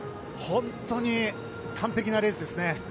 本当に完璧なレースですね。